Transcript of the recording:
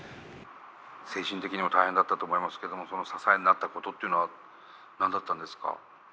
精神的にも大変だったと思いますけどもその支えになったことっていうのは何だったんですか？